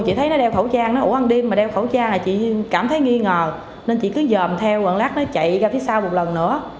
chị thấy nó đeo khẩu trang nói ủa ăn đêm mà đeo khẩu trang chị cảm thấy nghi ngờ nên chị cứ dòm theo còn lát nó chạy ra phía sau một lần nữa